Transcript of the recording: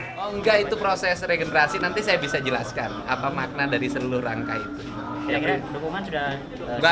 kalau enggak itu proses regenerasi nanti saya bisa jelaskan apa makna dari seluruh rangka itu